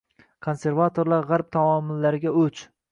Konservatorlar gʻarb taommillariga oʻch.